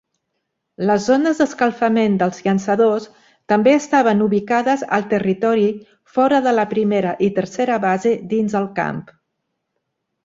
Les zones d'escalfament dels llançadors també estaven ubicades al territori fora de la primera i tercera base dins el camp.